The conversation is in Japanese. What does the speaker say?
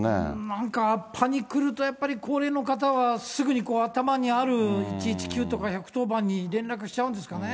なんかパニクると、高齢の方はすぐに頭にある１１９とか１１０番に連絡しちゃうんですかね。